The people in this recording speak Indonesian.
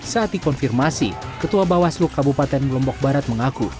saat dikonfirmasi ketua bawaslu kabupaten lombok barat mengaku